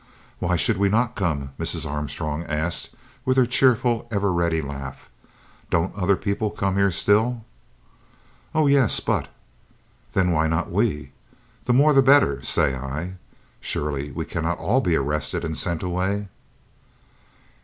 "Why should we not come?" Mrs. Armstrong asked, with her cheerful, ever ready laugh; "don't other people come here still?" "Oh yes, but " "Then why not we? The more the better, say I! Surely we cannot all be arrested and sent away!"